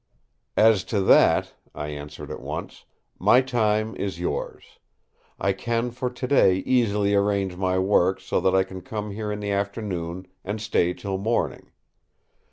"As to that," I answered at once, "my time is yours. I can for today easily arrange my work so that I can come here in the afternoon and stay till morning.